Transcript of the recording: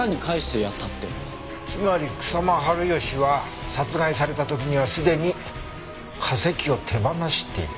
つまり草間治義は殺害された時にはすでに化石を手放していた。